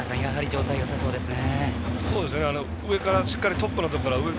状態がよさそうですね。